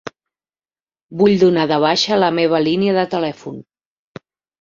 Vull donar de baixa la meva línia de telèfon.